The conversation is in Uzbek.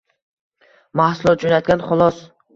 mahsulot jo‘natgan, xolos.